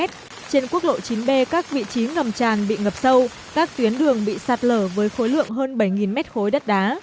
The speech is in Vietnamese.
trên quốc lộ chín b các vị trí ngầm tràn bị ngập sâu các tuyến đường bị sạt lở với khối lượng hơn bảy m ba đất đá